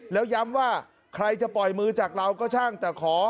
แล้วย้ำว่าใครจะปล่อยมือจากเราก็ช่างแต่ขอ